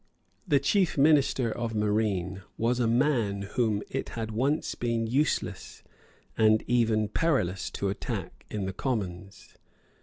The chief minister of marine was a man whom it had once been useless and even perilous to attack in the Commons.